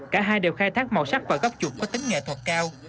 cả hai đều khai thác màu sắc và góc chuột có tính nghệ thuật cao